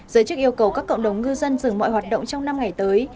giới chức yêu cầu các cộng đồng ngư dân dừng mọi hoạt động trong năm ngày tới